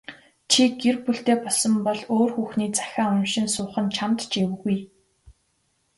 Чи гэр бүлтэй болсон бол өөр хүүхний захиа уншин суух нь чамд ч эвгүй.